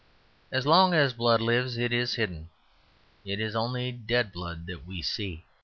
As long as blood lives it is hidden; it is only dead blood that we see.